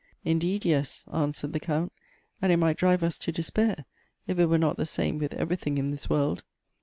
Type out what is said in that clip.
" Indeed, yes," answered the Count ;" and it might drive us to despair, if it were not the same with every thing in this world.